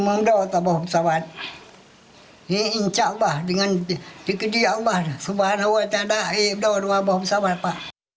mereka menggunakan kain untuk menghidupkan anak anak mereka